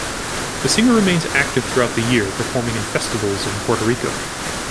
The singer remains active throughout the year performing in festivals in Puerto Rico.